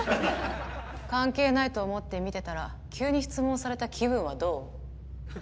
関係ないと思って見てたら急に質問された気分はどう？